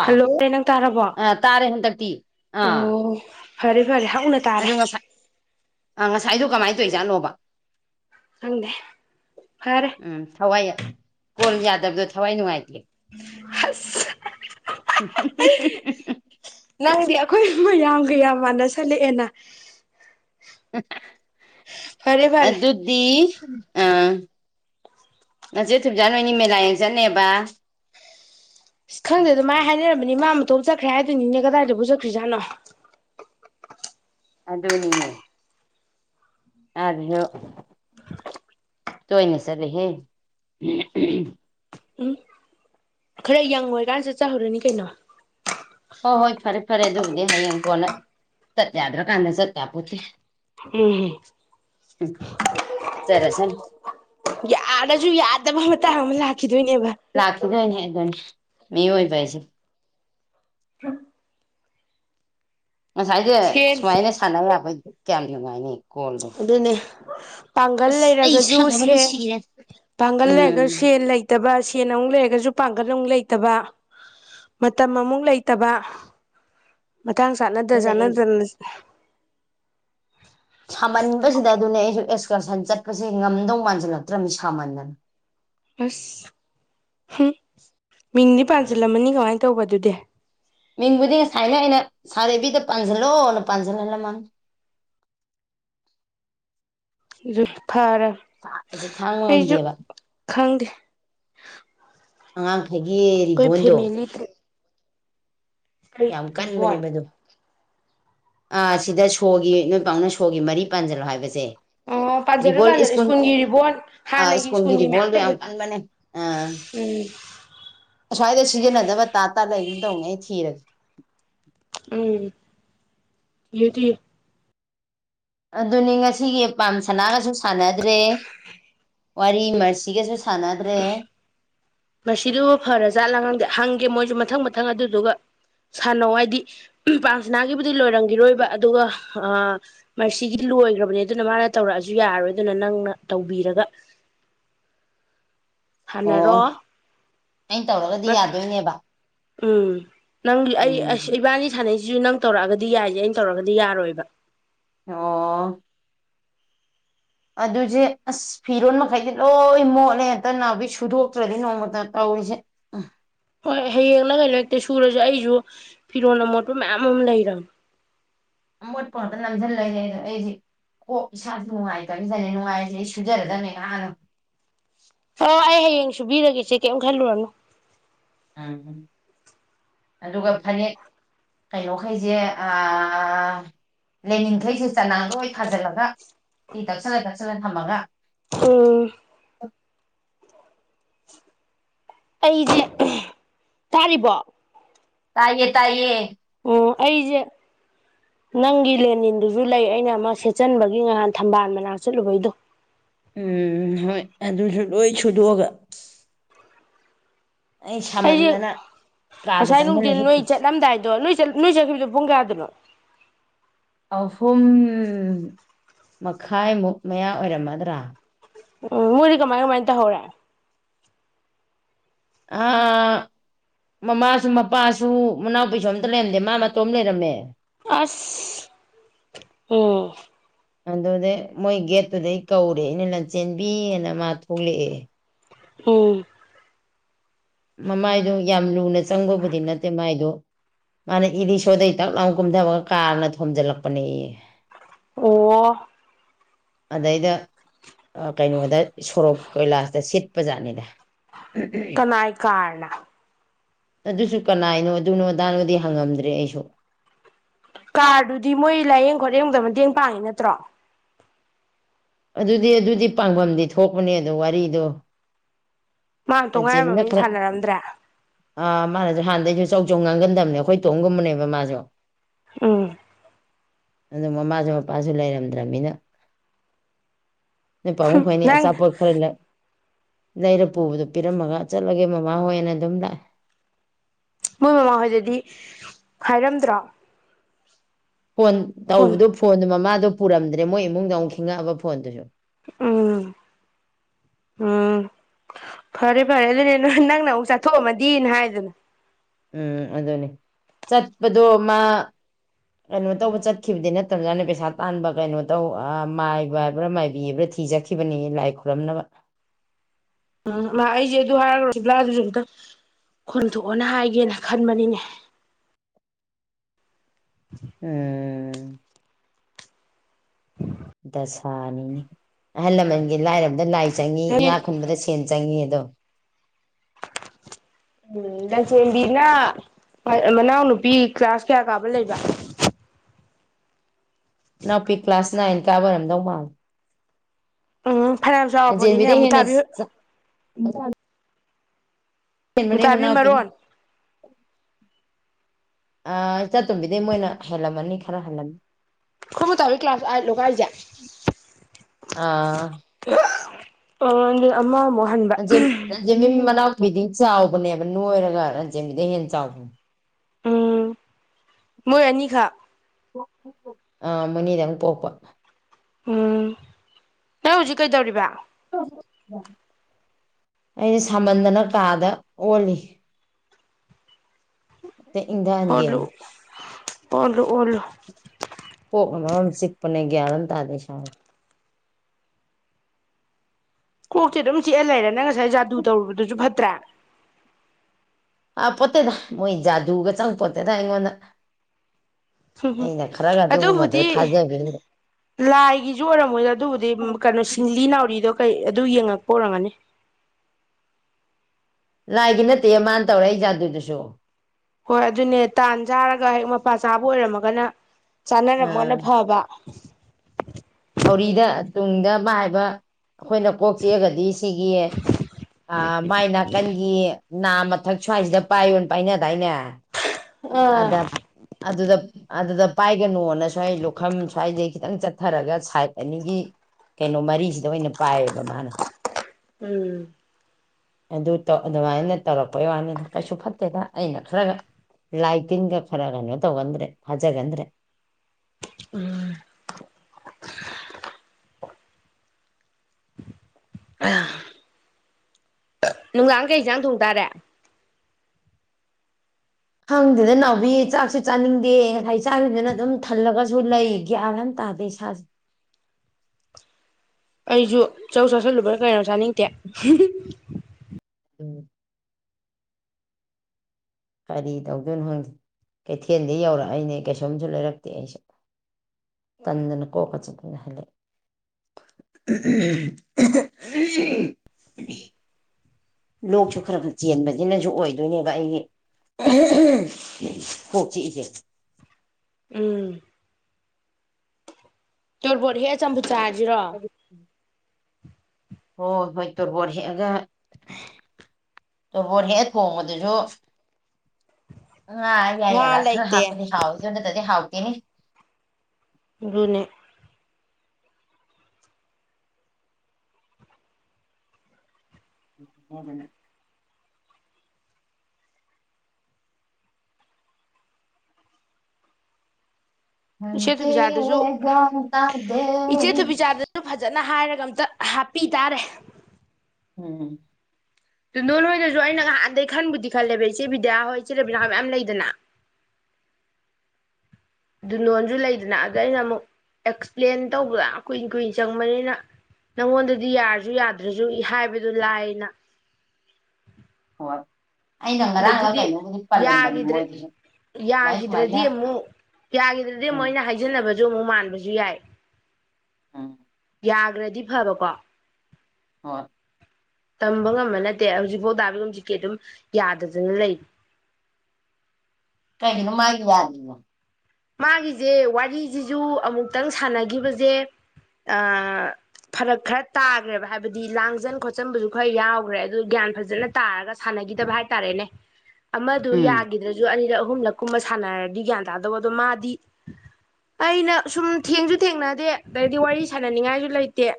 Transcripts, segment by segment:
ꯑꯥ hello ꯑꯦ ꯅꯪ ꯇꯥꯔꯕꯣ ꯑꯣ ꯑꯥ ꯇꯥꯔꯦ ꯍꯟꯗꯛꯇꯤ ꯑꯥ ꯐꯔꯦ ꯐꯔꯦ ꯍꯧꯅ ꯇꯥꯔꯦ ꯑꯗꯨ ꯉꯁꯥꯏ ꯑ ꯉꯁꯥꯏꯗꯨ ꯀꯃꯥꯏ ꯇꯧꯏꯖꯥꯠꯅꯣꯕ ꯅꯪꯅꯦ ꯐꯔꯦ ꯎꯝ ꯊꯋꯥꯏ ꯌ ꯀꯣꯜ ꯌꯥꯗꯕꯗꯣ ꯊꯋꯥꯏ ꯅꯨꯡꯉꯥꯏ ꯑꯁ [unintelligible] ꯅꯪꯗꯤ ꯑꯩꯈꯣꯏ ꯃꯌꯥꯝꯒ ꯌꯥꯝ ꯃꯥꯟꯅꯁꯜꯂꯛꯑꯦꯅ ꯐꯔꯦ ꯐꯔꯦ ꯑꯗꯨꯗꯤ ꯑꯥ ꯅꯆꯦ ꯊꯣꯏꯕꯤꯆꯥ ꯅꯣꯏꯅꯤ ꯃꯦꯂꯥ ꯌꯦꯡ ꯁꯠꯅꯦꯕ ꯏꯁ ꯈꯪꯗꯦ ꯑꯗꯨꯃꯥꯏ ꯍꯥꯏꯅꯔꯝꯕꯅꯤ ꯃꯥ ꯇꯣꯝ ꯆꯠꯈ꯭ꯔꯦ ꯍꯥꯏꯗꯨꯅꯤꯅꯦ ꯀꯗꯥꯏꯗꯕꯨ ꯆꯠꯈ꯭ꯔꯤꯖꯥꯠꯅꯣ ꯑꯗꯨꯅꯤꯅꯦ [unintelligible] ꯇꯣꯏꯅ ꯆꯠꯂꯤꯍꯦ ꯎꯝ ꯈꯔ ꯌꯪ ꯑꯣꯏꯔꯀꯥꯟ ꯆꯠꯆꯍꯧꯔꯤꯅꯤ ꯀꯩꯅꯣ ꯍꯣꯏ ꯍꯣꯏ ꯐꯔꯦ ꯐꯔꯦ ꯑꯗꯨꯕꯨꯗꯤ ꯍꯌꯦꯡ ꯀꯣꯟꯅ ꯆꯠ ꯌꯥꯗ꯭ꯔꯀꯥꯟꯗ ꯆꯠꯌꯥꯄꯣꯠꯇꯦ ꯑꯝ ꯆꯠꯂꯁꯅꯨ ꯌꯥꯔꯁꯨ ꯌꯥꯗꯕ ꯃꯇꯥꯡ ꯑꯃ ꯂꯥꯛꯈꯤ ꯂꯥꯛꯈꯤꯗꯣꯏꯅꯦ ꯑꯗꯨꯅꯦ ꯃꯤꯌꯣꯏꯕ ꯍꯖꯦ ꯉꯁꯥꯏꯗꯤ ꯁꯦꯟ ꯁꯨꯃꯥꯏꯅ ꯁꯥꯟꯅ ꯌꯥꯕꯣꯢꯗꯤ ꯀ꯭ꯌꯥꯝ ꯅꯨꯡꯉꯥꯏꯅꯤ ꯀꯣꯜꯗꯣ ꯑꯗꯨꯅꯦ ꯄꯥꯡꯒꯜ ꯑꯁ ꯑꯩ ꯂꯩꯔꯒꯁꯨ ꯁꯥꯟꯅꯕꯅ ꯁꯦꯜ ꯁꯤꯔꯦ ꯄꯥꯡꯒꯜ ꯎꯝ ꯂꯩꯔꯒꯁꯨ ꯁꯦꯟ ꯂꯩꯇꯕ ꯁꯦꯟ ꯑꯃꯨꯛ ꯂꯩꯔꯒꯁꯨ ꯄꯥꯡ ꯒꯜ ꯑꯃꯨꯛ ꯂꯩꯇꯕ ꯃꯇꯝ ꯑꯃꯨꯛ ꯂꯩꯇꯕ ꯃꯇꯥꯡ ꯆꯥꯅꯗ ꯑꯗꯨꯅꯦ ꯑꯩ ꯆꯥꯟꯅꯗꯅ ꯃꯟꯕꯁꯤꯗ ꯑꯗꯨꯅꯦ ꯑꯩꯁꯨ ꯑꯦꯛꯁꯀꯔꯁꯟ ꯆꯠꯄꯁꯦ ꯉꯝꯗꯧ ꯃꯥꯟꯖꯤꯜꯂꯛꯇ꯭ꯔꯝ ꯁꯥꯃꯟꯗꯅ ꯑꯁ ꯎꯝ ꯃꯤꯡꯗꯤ ꯄꯥꯟꯁꯤꯜꯂꯝꯃꯅꯤ ꯀꯃꯥꯏ ꯇꯧꯕ ꯑꯗꯨꯗꯤ ꯃꯤꯡꯕꯨꯗꯤ ꯉꯁꯥꯏꯅ ꯑꯩꯅ ꯁꯥꯔ ꯔꯦꯕꯤꯗ ꯄꯥꯟꯁꯤꯜꯂꯣꯅ ꯄꯥꯟꯁꯤꯜꯍꯜꯂꯝꯃꯃꯤ [inaudible] ꯑꯗꯨ ꯐꯔꯦ ꯁꯥꯕꯁꯦ ꯈꯥꯡꯕ ꯉꯝꯗꯦꯕ ꯈꯪꯗꯦ ꯑꯉꯥꯡ ꯉꯁꯥꯢꯒꯤ ꯑꯩꯈꯣꯏ ꯔꯤꯚꯣꯟꯗꯣ ꯐꯦꯃꯤꯂꯤ ꯀꯩ ꯌꯥꯝ ꯀꯟꯕꯅꯤ ꯔꯤꯕꯣꯟ ꯃꯗꯨ ꯑꯥ ꯁꯤꯗ ꯁꯣꯒꯤ ꯅꯣꯏ ꯄꯥꯎꯡꯅ ꯁꯣꯒꯤ ꯃꯔꯤ ꯄꯥꯟꯁꯤꯜꯂꯣ ꯍꯥꯏꯕꯁꯦ ꯑꯣ ꯄꯥꯖꯔꯣ ꯔꯤꯕꯣꯜ ꯄꯥꯖꯔꯣ ꯁ꯭ꯀꯨꯜ ꯁ꯭ꯀꯨꯜꯒꯤ ꯔꯤꯕꯣꯟ ꯍꯥꯟꯅꯒꯤ ꯁ꯭ꯀꯨꯜꯒꯤ ꯃꯌꯥꯝ ꯔꯤꯕꯣꯜꯗꯣ ꯌꯥꯝ ꯂꯩꯕꯅꯤ ꯀꯟꯕꯅꯦ ꯑꯥ ꯎꯝ ꯑꯁ꯭ꯋꯥꯏꯗ ꯁꯤꯖꯤꯟꯅꯗꯕ ꯇꯥ ꯇꯥ ꯂꯩꯒꯨꯝ ꯇꯧꯕꯅꯦ ꯑꯩ ꯊꯤꯔꯒꯦ ꯎꯝ ꯌꯨꯗꯤ ꯑꯗꯨꯅꯤ ꯉꯁꯤꯒꯤꯄꯥꯥꯝ ꯁꯅꯥꯒꯁꯨ ꯁꯥꯟꯅꯗ꯭ꯔꯦ ꯋꯥꯔꯤ ꯃꯔꯁꯤꯒꯁꯨ ꯁꯥꯟꯅꯗ꯭ꯔꯦ ꯃꯔꯁꯤꯗꯨꯕꯨ ꯐꯔ ꯖꯥꯠꯂꯥ ꯈꯪꯗꯦ ꯍꯪꯒꯦ ꯃꯣꯏꯁꯨ ꯃꯊꯪ ꯃꯊꯪ ꯑꯗꯨꯗꯨꯒ ꯁꯥꯟꯅꯧ ꯍꯥꯏꯗꯤ ꯄꯥꯟꯁꯅꯥꯒꯤꯕꯨꯗꯤ ꯂꯣꯏꯔꯝꯈꯤꯔꯣꯏꯕ ꯑꯗꯨꯒ ꯑ ꯃꯔꯁꯤꯒꯤꯗꯤ ꯂꯣꯏꯈ꯭ꯔꯕꯅꯦ ꯑꯗꯨꯅ ꯃꯥꯅ ꯇꯧꯔꯛꯑꯖꯨ ꯌꯥꯔꯔꯣꯏꯗꯅ ꯑꯗꯨꯅ ꯅꯪꯅ ꯇꯧꯕꯤꯔꯒ ꯁꯥꯅꯔꯣ ꯑꯩꯟ ꯇꯧꯔꯒꯗꯤ ꯌꯥꯗꯣꯏꯅꯦꯕ ꯎꯝ ꯅꯪꯒꯤ ꯑꯩ ꯑꯁꯤ ꯎꯝ ꯏꯕꯥꯅꯤ ꯁꯥꯟꯅꯩꯁꯤ ꯁꯤꯁꯨ ꯅꯪ ꯇꯧꯔꯛꯑꯒꯗꯤ ꯌꯥꯏꯌꯦ ꯑꯩꯅ ꯇꯧꯔꯒꯗꯤ ꯌꯥꯔꯣꯏꯕ ꯑꯣ ꯑꯗꯨꯖꯦ ꯑꯁ ꯐꯤꯔꯣꯜ ꯃꯈꯩꯗꯤ ꯂꯣꯏ ꯃꯣꯠꯂꯦ ꯍꯦꯛꯇ ꯅꯥꯎꯕꯤ ꯁꯨꯗꯣꯛꯇ꯭ꯔꯗꯤ ꯅꯣꯡꯃꯇ ꯇꯧ ꯄꯨꯡꯁꯦ ꯑ ꯍꯣꯏ ꯍꯌꯦꯡꯂ ꯀꯩꯅꯣ ꯍꯦꯛꯇ ꯁꯨꯔꯖꯦ ꯑꯩꯁꯨ ꯐꯤꯔꯣꯜ ꯑꯃꯣꯠꯄ ꯃꯌꯥꯝ ꯑꯃ ꯂꯩꯔꯝ ꯑꯃꯣꯠꯄ ꯉꯥꯛꯇ ꯅꯝꯖꯜ ꯂꯩꯔꯦꯅꯦ ꯑꯩꯗꯤ ꯑꯣ ꯏꯁꯥꯁꯨ ꯅꯨꯡꯉꯥꯏꯇꯝꯅꯤꯗꯅꯦ ꯅꯨꯡꯉꯥꯏꯔꯗꯤ ꯑꯩ ꯁꯨꯖꯔꯗꯕꯅꯤ ꯅꯍꯥꯟꯅ ꯑꯣ ꯑꯩ ꯍꯌꯦꯡ ꯁꯨꯕꯤꯔꯒꯦꯁꯦ ꯀꯩꯝ ꯈꯜꯂꯨꯔꯅꯨ ꯎꯝꯝ ꯑꯗꯨꯒ ꯐꯅꯦꯛ ꯀꯩꯅꯣꯈꯩꯖꯦ ꯑꯥ ꯂꯦꯅꯤꯟꯈꯩꯁꯦ ꯆꯅꯥꯡ ꯂꯣꯏ ꯊꯥꯖꯤꯜꯂꯒ ꯏꯁꯇꯤ ꯇꯛꯁꯤꯜꯂ ꯇꯛꯁꯤꯜꯂ ꯊꯝꯃꯒ ꯎꯝ ꯑꯩꯖꯦ ꯇꯥꯔꯤꯕꯣ ꯇꯥꯏꯌꯦ ꯇꯥꯏꯌꯦ ꯑꯣ ꯑꯩꯖꯦ ꯅꯪꯒꯤ ꯂꯦꯟꯅꯤꯟꯗꯨꯖꯨ ꯂꯩ ꯑꯩꯅ ꯑꯃ ꯁꯦꯠꯆꯟꯕꯒꯤ ꯉꯍꯥꯟ ꯊꯝꯕꯥꯜ ꯃꯅꯥꯛ ꯆꯠꯂꯨꯕꯩꯗꯣ ꯎꯝ ꯍꯣꯏ ꯑꯗꯨꯖꯨ ꯂꯣꯏ ꯁꯨꯗꯣꯛꯑꯒ ꯑꯩ ꯑꯩꯁꯦ ꯁꯥꯃꯟꯗꯅ ꯀꯥꯗ ꯉꯁꯥꯏ ꯆꯪꯁꯤꯜꯂ ꯅꯨꯡꯗꯤꯟ ꯅꯣꯏ ꯍꯤꯞꯄꯤ ꯆꯠꯂꯝꯗꯥꯏꯗꯣ ꯅꯣꯏ ꯆꯠ ꯅꯣꯏ ꯆꯠꯈꯤꯕꯗꯣ ꯄꯨꯡ ꯀꯌꯥꯗꯅꯣ ꯑꯧ ꯄꯨꯡ ꯃꯈꯥꯏꯃꯨꯛ ꯃꯌꯥ ꯑꯣꯏꯔꯝꯃꯗ꯭ꯔꯥ ꯑꯣ ꯃꯣꯏꯗꯤ ꯀꯃꯥꯏ ꯀꯃꯥꯏ ꯇꯧꯍꯧꯔꯦ ꯑꯥ ꯃꯃꯥꯖꯨ ꯃꯄꯥꯖꯨ ꯃꯅꯥꯎꯄꯤꯖꯨ ꯑꯝꯇ ꯂꯩꯔꯝꯗꯦ ꯃꯥ ꯃꯇꯣꯝ ꯂꯩꯔꯝꯃꯦ ꯑꯁ ꯑꯣ ꯑꯗꯨꯗꯩ ꯃꯣꯏ ꯒꯦꯠꯇꯨꯗꯩ ꯀꯧꯔꯦ ꯑꯩꯅ ꯂꯟꯆꯦꯟꯕꯤꯑꯦꯅ ꯃꯥ ꯊꯣꯛꯂꯛꯑꯦ ꯑꯣ ꯃꯃꯥꯏꯗꯣ ꯌꯥꯝ ꯂꯨꯅ ꯆꯪꯕꯕꯨꯗꯤ ꯅꯠꯇꯦ ꯃꯥꯏꯗꯣ ꯃꯥꯅ ꯏꯔꯤꯛꯁꯣꯗꯩ ꯗꯛ ꯂꯥꯎ ꯀꯨꯝꯗꯕꯒ ꯀꯥꯔꯅ ꯊꯣꯝꯖꯤꯜꯂꯛꯄꯅꯦꯌꯦ ꯑꯣ ꯑꯗꯩꯗ ꯑꯥ ꯀꯩꯅꯣꯗ ꯁꯣꯔꯣꯛ ꯀꯣꯏꯂꯥꯁꯇ ꯁꯤꯠꯄ ꯖꯥꯠꯅꯤꯗ ꯀꯅꯥꯏ ꯀꯥꯔꯅ ꯑꯗꯨꯖꯨ ꯀꯅꯥꯏꯅꯣ ꯑꯗꯨꯅꯣ ꯑꯗꯥꯅꯣꯗꯤ ꯍꯪꯉꯝꯗ꯭ꯔꯦ ꯑꯩꯁꯨ ꯀꯥꯔꯗꯨꯗꯤ ꯃꯣꯏ ꯂꯥꯏꯌꯦꯡ ꯈꯣꯠꯂꯦꯡꯕꯗ ꯃꯇꯦꯡ ꯄꯥꯡꯉꯤ ꯅꯠꯇ꯭ꯔꯣ ꯑꯗꯨꯗꯤ ꯑꯗꯨꯗꯤ ꯄꯥꯡꯕꯝꯗꯤ ꯊꯣꯛꯄꯅꯦ ꯑꯗꯨ ꯋꯥꯔꯤꯗꯣ ꯃꯥ ꯇꯣꯝ ꯅꯆꯦꯃꯤꯅ ꯉꯥꯏꯔꯝꯃꯃꯤꯝ ꯈꯔ ꯁꯥꯟꯅꯔꯝꯗ꯭ꯔꯦ ꯑꯥ ꯃꯥꯅꯖꯨ ꯍꯥꯟꯅꯗꯩꯖꯨ ꯆꯧ ꯆꯧ ꯉꯥꯡꯒꯟꯗꯝꯅꯦ ꯑꯩꯈꯣꯏ ꯇꯣꯝꯒꯨꯝꯕꯅꯦꯕ ꯃꯥꯖꯣ ꯎꯝ ꯑꯗꯨ ꯃꯃꯥꯖꯨ ꯃꯄꯥꯖꯨ ꯂꯩꯔꯝꯗ꯭ꯔꯝꯅꯤꯅ ꯅꯣꯏ ꯄꯕꯨꯡ ꯈꯣꯏꯅꯤ ꯅꯪ ꯑꯆꯥꯄꯣꯠ ꯈꯔ ꯂꯩ ꯂꯩꯔꯞ ꯄꯨꯕꯗꯣ ꯄꯤꯔꯝꯃꯒ ꯆꯠꯂꯒꯦ ꯃꯃꯥ ꯍꯣꯏꯅ ꯑꯗꯨꯝ ꯂꯥꯛꯑꯦ ꯃꯣꯏ ꯃꯃꯥ ꯍꯣꯏꯗꯗꯤ ꯍꯥꯏꯔꯝꯗ꯭ꯔꯣ ꯐꯣꯟ ꯐꯣꯟ ꯇꯧꯕꯗꯨ ꯐꯣꯟꯗꯣ ꯃꯃꯥꯗꯣ ꯄꯨꯔꯝꯗ꯭ꯔꯦ ꯃꯣꯏ ꯏꯃꯨꯡꯗ ꯑꯃꯨꯛ ꯈꯤꯡꯉꯛꯑꯕ ꯐꯣꯟꯗꯨꯁꯨ ꯎꯝ ꯎꯝ ꯐꯔꯦ ꯐꯔꯦ ꯑꯗꯨꯅꯦ ꯅꯥ ꯅꯪꯅ ꯃꯨꯛ ꯆꯠꯊꯣꯛꯑꯝꯃꯗꯤꯅ ꯍꯥꯏꯗꯣ ꯎꯝ ꯑꯗꯨꯅꯤ ꯆꯠꯄꯗꯣ ꯃꯥ ꯀꯩꯅꯣ ꯇꯧꯕ ꯆꯠꯈꯤꯕꯗꯤ ꯅꯠꯇꯕꯖꯥꯅꯦ ꯄꯩꯁꯥ ꯇꯥꯟꯕ ꯀꯩꯅꯣ ꯇꯧ ꯑꯥ ꯃꯥꯏꯕ ꯍꯥꯏꯕ꯭ꯔ ꯃꯥꯏꯕꯤꯕ꯭ꯔ ꯊꯤ ꯆꯠꯈꯤꯕꯅꯦꯌꯦ ꯂꯥꯏ ꯈꯨꯔꯝꯅꯕ ꯎꯝ ꯃꯥ ꯑꯩꯖꯦ ꯑꯗꯨ ꯍꯥꯏꯔ ꯔꯣꯅꯤꯕ꯭ꯂꯥ ꯗꯨꯁꯨ ꯑꯝꯇ ꯈꯨꯟꯊꯣꯛꯎꯅ ꯍꯥꯏꯒꯦꯅ ꯈꯟꯕꯅꯤꯅꯦ ꯎꯝ ꯗꯁꯥꯅꯤꯅꯦ ꯑꯍꯜ ꯂꯃꯟꯒꯤ ꯂꯥꯏꯔꯕ ꯗꯥ ꯂꯥꯏ ꯆꯪꯉꯤ ꯎꯝ ꯏꯅꯥꯛ ꯈꯨꯨꯝꯕꯗ ꯁꯦꯟ ꯆꯪꯉꯤ ꯑꯗꯣ ꯎꯝ ꯂꯟꯆꯦꯟꯕꯤꯅ ꯃꯥ ꯃꯅꯥꯎꯅꯨꯄꯤ ꯀ꯭ꯂꯥꯁ ꯀꯌꯥ ꯀꯥꯕ ꯂꯩꯕ ꯅꯥꯎꯄꯤ ꯀ꯭ꯂꯥꯁ ꯅꯥꯏꯟ ꯀꯥꯕ ꯑꯣꯏꯔꯝꯗꯧ ꯃꯥꯜꯂꯦ ꯎꯝ ꯐꯅꯌꯥꯝ ꯆꯥꯎꯔꯄꯣꯠꯅꯤꯅꯦ ꯂꯟꯆꯦꯟꯕꯤꯗꯩ ꯍꯦꯟꯅ ꯃꯨꯇꯥꯕꯤ ꯍꯦꯟꯕꯅꯦ ꯃꯨꯇꯥꯕꯤ ꯃꯅꯥꯎꯄꯤꯅ ꯃꯔꯣꯟ ꯑꯥ ꯏꯆꯥꯇꯣꯝꯕꯤꯗꯩ ꯃꯣꯏꯅ ꯍꯦꯜꯂꯝꯃꯅꯤ ꯈꯔ ꯍꯜꯂꯅꯤ ꯈꯣꯏ ꯃꯇꯥꯗꯣ ꯀ꯭ꯂꯥꯁ ꯑꯥꯏꯇ ꯂꯣ ꯀꯥꯏꯖꯦ ꯑꯥ ꯃꯃꯟꯗꯤ ꯑꯃ ꯂꯟꯆꯦꯟ ꯂꯟꯆꯦꯟꯕꯤ ꯃꯅꯥꯎ ꯄꯤꯗꯤ ꯆꯥꯎꯕꯅꯦꯕ ꯅꯣꯏꯔꯒ ꯔꯟꯖꯦꯟꯕꯤꯗꯩ ꯍꯦꯟꯅ ꯆꯥꯎꯕꯅꯦ ꯎꯝ ꯃꯣꯏ ꯑꯅꯤꯈꯥꯛ ꯑ ꯃꯣꯏꯅꯤꯗꯡ ꯄꯣꯛꯄ ꯎꯝ ꯅꯪ ꯍꯧꯖꯤꯛ ꯀꯩꯗꯧꯔꯤꯕ ꯑꯩꯅ ꯁꯥꯃꯟꯗꯅ ꯀꯥꯗ ꯑꯣꯜꯂꯤ ꯇ ꯏꯪꯊꯍꯟꯒꯦꯅ ꯑꯣꯜꯂꯨ ꯑꯣꯜꯂꯨ ꯑꯣꯜꯂꯨ ꯀꯣꯛꯅ ꯃꯔꯣꯝ ꯆꯤꯛꯄꯅꯦ ꯒꯌꯥꯟ ꯑꯝ ꯇꯥꯗꯦ ꯀꯣꯛꯇꯤ ꯑꯗꯨꯝ ꯆꯤꯛꯑ ꯂꯩꯔꯦ ꯅꯪ ꯉꯁꯥꯏ ꯖꯥꯗꯨ ꯇꯧꯔꯨꯕꯗꯨꯁꯨ ꯐꯠꯇ꯭ꯔꯦ ꯑꯥ ꯄꯣꯠꯇꯦꯗ ꯃꯣꯏ ꯖꯥꯗꯨꯒ ꯆꯪ ꯄꯣꯠꯇꯦꯗ ꯑꯩꯉꯣꯟꯗ ꯎꯝ ꯑꯩꯅ ꯈꯔꯒ ꯑꯗꯨꯒꯨꯝꯕꯗꯣ ꯑꯗꯨꯕꯨꯗꯤ ꯊꯥꯖꯕꯤꯅꯤ ꯂꯥꯏꯒꯤꯁꯨ ꯑꯣꯏꯔꯝꯃꯣꯏꯗ ꯑꯗꯨꯕꯨꯗꯤ ꯀꯅꯣ ꯁꯤꯡꯂꯤ ꯅꯥꯎꯔꯤꯗꯣ ꯀꯩ ꯑꯗꯨ ꯌꯦꯡꯉꯛꯄ ꯑꯣꯏꯔꯝꯒꯅꯤ ꯂꯥꯏꯒꯤ ꯅꯠꯇꯦ ꯃꯥꯅ ꯇꯧꯔꯛꯏ ꯖꯥꯗꯨꯗꯨꯁꯨ ꯍꯣꯏ ꯑꯗꯨꯅꯦ ꯇꯥꯟ ꯆꯥꯔꯒ ꯍꯦꯛ ꯃꯄꯥ ꯆꯥꯕ ꯑꯣꯏꯔꯝꯃꯒꯅ ꯆꯥꯅꯔꯝꯃꯅ ꯑꯥ ꯐꯕ ꯊꯥꯎꯔꯤꯗ ꯇꯨꯡꯗ ꯃꯥ ꯍꯥꯏꯕ ꯑꯈꯣꯏꯅ ꯀꯣꯛ ꯆꯤꯛꯑꯒꯗꯤ ꯁꯤꯒꯤ ꯑ ꯃꯥꯏ ꯅꯥꯀꯟꯒꯤ ꯅꯥ ꯃꯊꯛ ꯁ꯭ꯋꯥꯏꯁꯤꯗ ꯄꯥꯏꯌꯣꯟ ꯄꯥꯏꯅꯗꯥꯏꯅꯦ ꯑꯥ ꯑꯗ ꯑꯗꯨꯗ ꯑꯗꯨꯗ ꯄꯥꯏꯒꯅꯨꯅ ꯁ꯭ꯋꯥꯏ ꯂꯨꯈꯝ ꯁ꯭ꯋꯥꯏꯗꯩ ꯈꯤꯇꯪ ꯆꯠꯊꯔꯒ ꯁꯥꯏꯠ ꯑꯅꯤꯒꯤ ꯀꯩꯅꯣ ꯃꯔꯤꯁꯤꯗ ꯑꯣꯏꯅ ꯄꯥꯏꯌꯦꯕ ꯃꯥꯅ ꯎꯝ ꯑꯗꯨ ꯇꯧ ꯑꯗꯨꯃꯥꯏꯅ ꯇꯧꯔꯛꯄꯩ ꯋꯥꯅꯤꯗ ꯀꯩꯁꯨ ꯐꯠꯇꯦꯗ ꯑꯩꯅ ꯈꯔꯒ ꯂꯥꯏꯇꯤꯟꯒ ꯈꯔ ꯀꯩꯅꯣ ꯇꯧꯒꯟꯗ꯭ꯔꯦ ꯊꯥꯖꯒꯟꯗ꯭ꯔꯦ ꯎꯝ ꯑ ꯅꯨꯡꯗꯥꯡ ꯀꯩꯖꯥꯡ ꯊꯣꯡ ꯇꯥꯔꯦ ꯈꯪꯗꯦꯗ ꯅꯥꯎꯕꯤ ꯆꯥꯛꯁꯨ ꯆꯥꯅꯤꯡꯗꯦ ꯉꯁꯥꯏ ꯆꯥꯒꯤꯝꯗꯨꯅ ꯑꯗꯨꯝ ꯊꯜꯂꯒꯁꯨ ꯂꯩ ꯒ꯭ꯌꯥꯟ ꯑꯝ ꯇꯥ ꯇꯥꯗꯦ ꯏꯁꯥꯖꯦ [unintelligible] ꯑꯩꯁꯨ ꯆꯧ ꯆꯥꯁꯤꯜꯂꯨꯕꯩꯔꯥ ꯀꯩꯅꯣ ꯆꯥꯅꯤꯡꯇꯦ ꯎꯝ ꯀꯔꯤ ꯇꯧꯗꯣꯏꯅꯣ ꯈꯪꯗꯦ ꯀꯩꯊꯦꯜꯗꯩ ꯌꯧꯔꯛꯏꯅꯦ ꯀꯩꯁꯨꯝꯁꯨ ꯂꯩꯔꯛꯇꯦ ꯑꯩꯁꯨ ꯇꯟꯗꯅ ꯀꯣꯀ ꯆꯤꯛꯄ [unintelligible] ꯂꯣꯛꯁꯨ ꯈꯔ ꯆꯦꯟꯕꯕꯁꯤꯅꯁꯨ ꯑꯣꯏꯗꯣꯏꯅꯦꯕ ꯑꯩꯒꯤ ꯑꯍ ꯍꯝ ꯀꯣꯛ ꯆꯤꯛ ꯏꯖꯦ ꯎꯝ ꯇꯣꯔꯕꯣꯠ ꯍꯦꯛꯑ ꯆꯝꯐꯨꯠ ꯆꯥꯔꯖꯤꯔꯣ ꯍꯣ ꯍꯣꯏ ꯇꯣꯔꯕꯣꯠ ꯍꯦꯛꯑꯒ ꯇꯣꯔꯕꯣꯠ ꯍꯦꯛꯑ ꯊꯣꯡꯕꯗꯨꯁꯨ ꯉꯥ ꯑꯌꯥꯏ ꯉꯥ ꯑꯔꯥꯛ ꯈꯔ ꯂꯩꯇꯦ ꯍꯥꯞꯄꯗꯤ ꯍꯥꯎꯒꯗꯕꯅꯤ ꯅꯠꯇ꯭ꯔꯗꯤ ꯍꯥꯎꯇꯦꯍꯦ ꯑꯗꯨꯅꯦ [unintelligible] ꯏꯆꯦ ꯈꯪꯗꯦ ꯊꯨꯕꯤꯆꯥꯗꯁꯨ ꯒ꯭ꯌꯥꯟ ꯇꯥꯗꯦ ꯏꯆꯦ ꯊꯣꯕꯤꯆꯥꯗꯁꯨ ꯐꯖ ꯅ ꯍꯥꯏꯔꯒ ꯑꯝꯇ ꯍꯥꯞꯄꯤ ꯇꯥꯔꯦ ꯎꯝ ꯇꯨꯟꯗꯣꯜ ꯍꯣꯏꯗꯁꯨ ꯑꯩꯅ ꯉꯥꯍꯥꯟꯗꯩ ꯈꯟꯕꯨꯗꯤ ꯈꯜꯂꯦꯕ ꯏꯆꯦ ꯕꯤꯗ꯭ꯌꯥ ꯍꯣꯏ ꯔꯕꯤꯅꯥ ꯍꯣꯏ ꯃꯌꯥꯝ ꯂꯩꯗꯅ [inaudible] ꯗꯨꯟꯗꯣꯟ ꯖꯨ ꯂꯩꯗꯅ ꯑꯗ ꯑꯩꯅ ꯑꯃꯨꯛ ꯑꯦꯛꯁꯄ꯭ꯂꯦꯟ ꯇꯧꯕꯗ ꯀꯨꯏ ꯀꯨꯏ ꯆꯪꯕꯅꯤꯅ ꯅꯪꯉꯣꯟꯗꯗꯤ ꯌꯥꯔꯁꯨ ꯌꯥꯗ꯭ꯔꯁꯨ ꯍꯥꯏꯕꯗꯨ ꯂꯥꯏꯅ ꯍꯣꯏ ꯑꯩꯅ ꯉꯔꯥꯡꯒ ꯑꯗꯒꯤꯗꯤ ꯀꯩꯅꯣꯕꯨꯗꯤ ꯄꯜꯂꯝꯕꯅꯤ ꯌꯥꯒꯤꯗ꯭ꯔꯦ ꯃꯣꯏꯗꯁꯨ ꯁꯨꯃꯥꯏ ꯌꯥꯒꯤꯗ꯭ꯔꯗꯤ ꯁꯨꯃꯥꯏꯅ ꯑꯃꯨꯛ ꯌꯥꯒꯤꯗ꯭ꯔꯗꯤ ꯑꯃꯨꯛ ꯎꯝ ꯑꯩꯅ ꯍꯥꯏꯖꯟꯅꯕꯁꯨ ꯑꯃꯨꯛ ꯃꯥꯟꯕꯁꯨ ꯌꯥꯏ ꯎꯝ ꯌꯥꯒ꯭ꯔꯗꯤ ꯐꯕꯀꯣ ꯍꯣꯏ ꯇꯝꯕ ꯉꯝꯕ ꯅꯠꯇꯦ ꯍꯧꯖꯤꯛꯐꯥꯎ ꯗꯥ [unintelligible] ꯑꯗꯨꯝ ꯌꯥꯗꯗꯅ ꯂꯩ [inaudible] ꯀꯩꯅꯣ ꯃꯥꯥꯏ ꯌꯥꯗꯔꯤꯕꯣ ꯃꯥꯒꯤꯖꯦ ꯋꯥꯔꯤꯖꯤꯖꯨꯁ ꯑꯃꯨꯛꯇꯪ ꯁꯥꯟꯅꯒꯤꯕꯁꯦ ꯑꯥ ꯐꯔꯛ ꯈꯔ ꯇꯥꯒ꯭ꯔꯦꯕ ꯍꯥꯏꯕꯗꯤ ꯂꯥꯡꯖꯟ ꯈꯣꯠꯆꯟꯕꯁꯨ ꯈꯔ ꯌꯥꯎꯒ꯭ꯔꯦ ꯑꯗꯨ ꯒ꯭ꯌꯥꯟ ꯐꯖꯅ ꯇꯥꯔꯒ ꯁꯥꯟꯅ ꯒꯤꯗꯕ ꯍꯥꯏ ꯇꯔꯦꯅꯦ ꯑꯃꯗꯨ ꯎꯝ ꯌꯥꯒꯤꯗ꯭ꯔꯖꯨ ꯑꯅꯤꯔꯛ ꯑꯍꯨꯝꯂꯛ ꯀꯨꯝꯕ ꯁꯥꯟꯅꯔꯗꯤ ꯒꯌꯥꯟ ꯇꯥ ꯗꯣ ꯃꯥꯗꯤ ꯑꯩꯅ ꯁꯨꯝ ꯊꯦꯡꯁꯨ ꯊꯦꯡꯅꯗꯦ ꯑꯗꯩꯗꯤ ꯋꯥꯔꯤ ꯁꯥꯟꯅꯅꯤꯡꯉꯥꯏꯁꯨ ꯂꯩꯇꯦ [inaudible]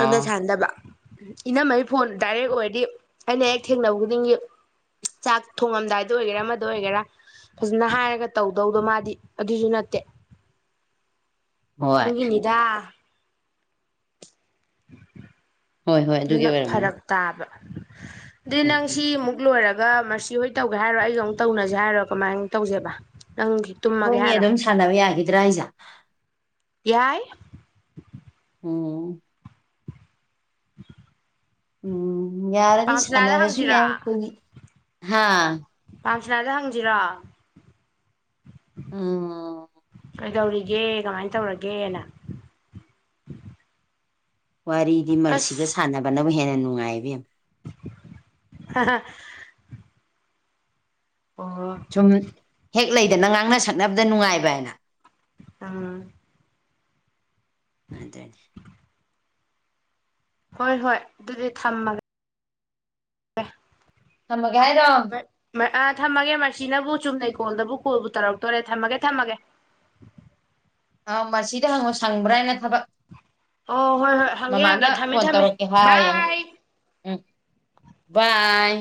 ꯑꯗꯨꯅꯣꯏ ꯁꯥꯟꯗꯕ ꯏꯅꯝꯃꯩ ꯐꯣꯟ ꯗꯥꯏꯔꯦꯛ ꯑꯣꯏꯔꯗꯤ ꯑꯩꯅ ꯍꯦꯛ ꯊꯦꯡꯅꯕ ꯈꯨꯗꯤꯡꯒꯤ ꯆꯥꯛ ꯊꯣꯡꯉꯝꯗꯥꯏꯗ ꯑꯣꯏꯒꯦꯔꯥ ꯑꯃꯗ ꯑꯣꯏꯒꯦꯔꯥ ꯐꯖꯟꯅ ꯍꯥꯏꯔꯒ ꯇꯧꯗꯧꯗꯣ ꯃꯥꯗꯤ ꯑꯗꯨꯁꯨ ꯅꯠꯇꯦ ꯍꯣꯏ ꯗꯨꯒꯤꯅꯤꯗ ꯍꯣꯏ ꯍꯣꯏ ꯑꯗꯨꯒꯤ ꯗꯨꯅ ꯑꯣꯏꯔꯝꯒꯅꯤ ꯐꯔꯛ ꯇꯥꯕ ꯗꯤ ꯎꯝ ꯅꯪ ꯎꯝ ꯁꯤ ꯑꯃꯨꯛ ꯂꯣꯏꯔꯒ ꯁꯤꯍꯣꯏ ꯇꯧꯒꯦ ꯍꯥꯏꯔꯣ ꯑꯩꯒ ꯑꯃꯨꯛ ꯇꯧꯅꯁꯦ ꯍꯥꯏꯔꯣ ꯀꯃꯥꯏ ꯇꯧꯁꯦꯕ ꯅꯪꯒꯤ ꯇꯨꯝꯃꯒꯦ ꯑꯈꯣꯏꯅꯦ ꯅꯤ ꯍꯥꯏꯔꯣ ꯑꯗꯨꯝ ꯁꯥꯟꯅꯕ ꯌꯥꯒꯤꯗ꯭ꯔꯥ ꯍꯥꯏꯁꯦ ꯌꯥꯏ ꯑꯣ ꯎꯝ ꯌꯥꯔꯗꯤ ꯄꯥꯝꯁꯅꯥꯗ ꯁꯥꯟꯅꯔꯁꯨ ꯍꯪꯁꯤꯔꯣ ꯌꯥꯏ ꯈꯣꯏꯗꯤ ꯍꯥꯥ ꯄꯥꯝꯁ꯭ꯔꯗ ꯍꯪꯁꯤꯔꯣ ꯑꯝ ꯀꯩꯗꯧꯔꯤꯒꯦ ꯀꯃꯥꯏꯅ ꯇꯧꯔꯒꯦꯅ ꯋꯥꯔꯤꯗꯤ ꯃ꯭ꯔꯁꯤꯒ ꯁꯥꯟꯅꯕꯅꯕꯨ ꯍꯦꯟꯅ ꯅꯨꯡꯉꯥꯏ ꯏꯕꯦꯝ ꯑꯥ ꯑꯥ ꯁꯨꯝ ꯍꯦꯛ ꯂꯩꯗꯅ ꯉꯥꯡꯅ ꯁꯛꯅꯕꯗ ꯅꯨꯡꯉꯥꯏꯕ ꯑꯥꯅ ꯑꯥ ꯑꯗꯅꯦ ꯍꯣꯏ ꯍꯣꯏ ꯑꯗꯨꯗꯤ ꯊꯝꯃꯒꯦ ꯊꯝꯃꯒꯦ ꯍꯥꯏꯔꯣ ꯑ ꯊꯝꯃꯒꯦ ꯃ꯭ꯔꯁꯤꯅꯕꯨ ꯆꯨꯝꯅꯩ ꯀꯣꯜꯗꯕꯨ ꯀꯣꯜꯕꯨ ꯇꯧꯔꯛꯇꯣꯔꯦ ꯊꯝꯃꯒꯦ ꯊꯝꯃꯒꯦ [inaudible] ꯑꯥ ꯃꯁꯤꯗ ꯍꯪꯉꯣ ꯁꯪꯕ꯭ꯔ ꯍꯥꯏꯅ ꯊꯕꯛ ꯑꯣ ꯍꯣꯏ ꯍꯣꯏ ꯍꯪꯒꯦ ꯃꯃꯥꯅ ꯍꯪꯒꯦ ꯊꯝꯃꯦ ꯐꯣꯟ ꯊꯝꯃꯦ ꯇꯧꯔꯛꯀꯦ ꯍꯥꯏ ꯑꯦꯅ ꯕꯥꯏ ꯎꯝ ꯕꯥꯏ